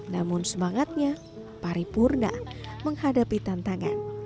namun semangatnya paripurna menghadapi tantangan